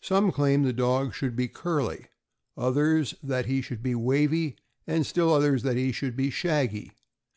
Some claim the dog should be curly, others that he should be wavy, and still others that he should be shaggy.